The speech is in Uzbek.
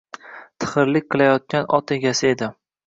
Tixirlik qilayotgan ot egasi edi